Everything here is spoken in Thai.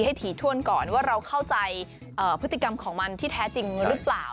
ถี่ถ้วนก่อนว่าเราเข้าใจพฤติกรรมของมันที่แท้จริงหรือเปล่า